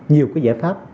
nhiều cái giải pháp